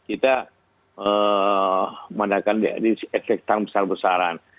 kita menggunakan disinfektan besar besaran